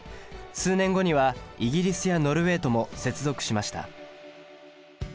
数年後にはイギリスやノルウェーとも接続しました。